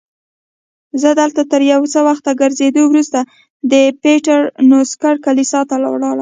زه دلته تر یو څه وخت ګرځېدو وروسته د پیټر نوسټر کلیسا ته ولاړم.